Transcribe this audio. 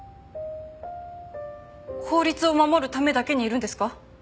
法律を守るためだけにいるんですか？